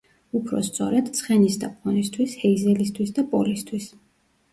უფრო სწორედ, ცხენის და პონისთვის, ჰეიზელისთვის და პოლისთვის.